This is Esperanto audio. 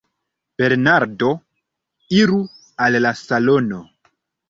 Bernardo: Iru al la salono.